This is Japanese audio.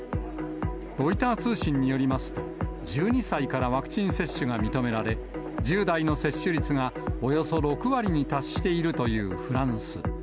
ロイター通信によりますと、１２歳からワクチン接種が認められ、１０代の接種率がおよそ６割に達しているというフランス。